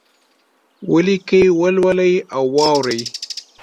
ولیکئ، ولولئ او واورئ!